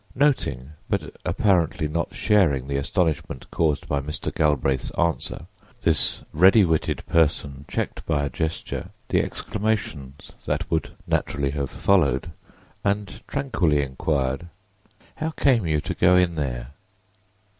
Noting, but apparently not sharing, the astonishment caused by Mr. Galbraith's answer this ready witted person checked by a gesture the exclamations that would naturally have followed, and tranquilly inquired: "How came you to go in there?"